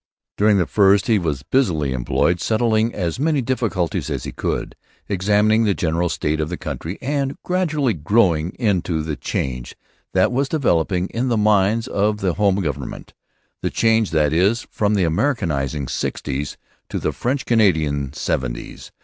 During the first he was busily employed settling as many difficulties as he could, examining the general state of the country, and gradually growing into the change that was developing in the minds of the home government, the change, that is, from the Americanizing sixties to the French Canadian seventies.